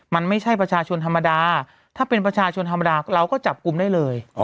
มันไม่ใช่ประชาชนธรรมดาถ้าเป็นประชาชนธรรมดาเราก็จับกลุ่มได้เลย